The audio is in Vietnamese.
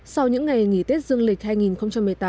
sau những ngày nghỉ tết dương lịch hai nghìn một mươi tám